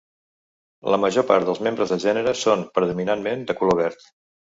La major part dels membres del gènere són predominantment de color verd.